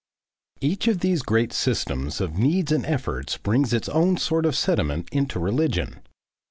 ... Each of these great systems of needs and efforts brings its own sort of sediment into religion.